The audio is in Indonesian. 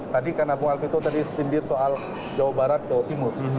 tadi karena bung alfito sendiri soal jawa barat jawa timur